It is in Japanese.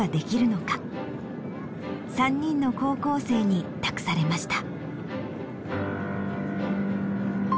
３人の高校生に託されました。